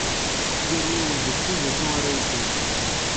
Yal yiwen deg-sen d acu ara d-yeddem.